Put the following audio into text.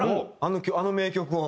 あの名曲を。